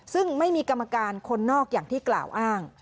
ซึ่งไม่มีกรรมการคนนอกอย่างที่กล่าวอ้าง